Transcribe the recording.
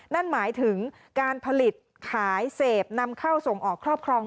นั่นหมายถึงการผลิตขายเสพนำเข้าส่งออกครอบครอง